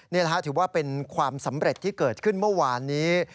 ถือว่าเป็นความสำเร็จที่เกิดขึ้นเมื่อวานนี้